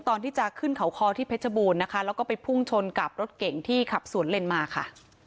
ตอนที่จะขึ้นเขาคอที่เพชรบูรณ์นะคะแล้วก็ไปพุ่งชนกับรถเก่งที่ขับสวนเลนมาค่ะ